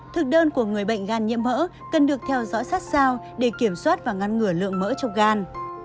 thực đơn của người bệnh gan nhiễm mỡ cần được theo dõi sát sao để kiểm soát và ngăn ngửa lượng mỡ trong gan